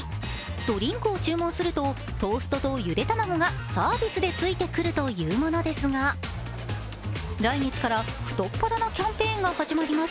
ドリンクを注文すると、トーストとゆで卵がサービスでついてくるというものですが来月から太っ腹なキャンペーンが始まります。